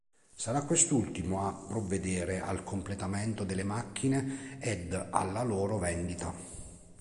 Sarà quest'ultimo a provvedere al completamento delle macchine ed alla loro vendita.